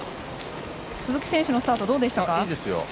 鈴木選手のスタートどうでしたか。